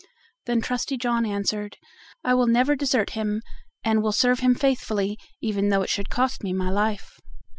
Then Trusty John answered: "I will never desert him, and will serve him faithfully, even though it should cost me my life."